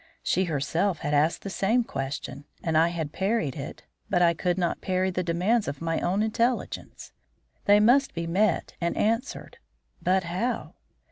She herself had asked this same question, and I had parried it. But I could not parry the demands of my own intelligence. They must be met and answered. But how?